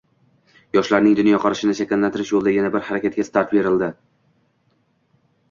Yoshlarning dunyoqarashini shakllantirish yo‘lida yana bir harakatga start berildi